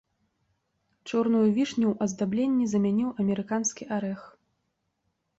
Чорную вішню ў аздабленні замяніў амерыканскі арэх.